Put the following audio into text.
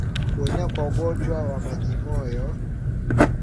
Kuenea kwa ugonjwa wa majimoyo